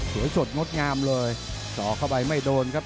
สวยสดงดงามเลยสอกเข้าไปไม่โดนครับ